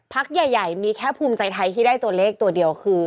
ใหญ่มีแค่ภูมิใจไทยที่ได้ตัวเลขตัวเดียวคือ